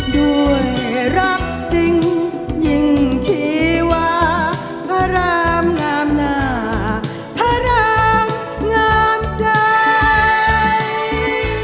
ด้วยรักจริงยิ่งชีวาพระรามงามหน้าพระรามงามใจ